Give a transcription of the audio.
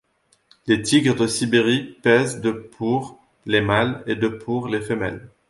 Les tigres de Sibérie pèsent de pour les mâles et de pour les femelles.